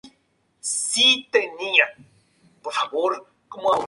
Pero Betty no está sola en la defensa de la galaxia.